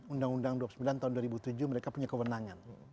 undang undang dua puluh sembilan tahun dua ribu tujuh mereka punya kewenangan